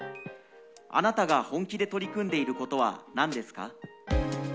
あなたが本気で取り組んでいることはなんですか？